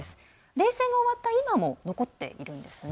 冷戦が終わった今も残っているんですね。